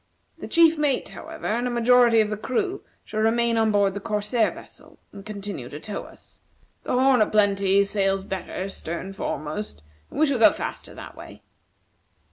The chief mate, however, and a majority of the crew shall remain on board the corsair vessel, and continue to tow us. The 'Horn o' Plenty' sails better stern foremost, and we shall go faster that way."